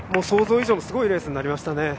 想像以上のすごいレースになりましたね。